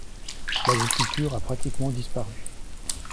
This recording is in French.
L'agriculture a pratiquement disparu.